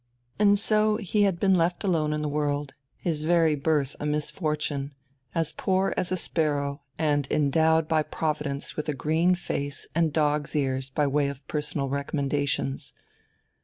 And so he had been left alone in the world, his very birth a misfortune, as poor as a sparrow and endowed by Providence with a green face and dog's ears by way of personal recommendations.